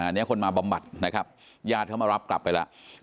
อันนี้คนมาบำบัดนะครับญาติเขามารับกลับไปแล้ว